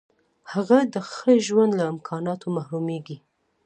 هغه د ښه ژوند له امکاناتو محرومیږي.